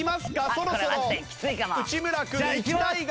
そろそろ内村君がいきたいが。